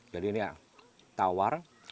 jadi ini tawar